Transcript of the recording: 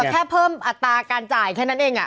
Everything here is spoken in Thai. แค่เพิ่มอัตราการจ่ายแค่นั้นเอง